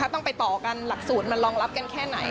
ต้องไปต่อกันหลักสูตรมันรองรับกันแค่ไหน